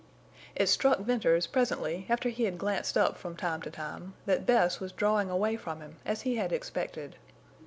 It struck Venters, presently, after he had glanced up from time to time, that Bess was drawing away from him as he had expected.